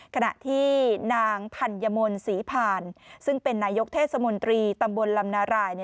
ขณะที่นางธัญมนต์ศรีผ่านซึ่งเป็นนายกเทศมนตรีตำบลลำนาราย